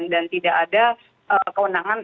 dan tidak ada kewenangan